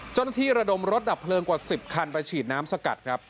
ระดมรถดับเพลิงกว่า๑๐คันไปฉีดน้ำสกัดครับ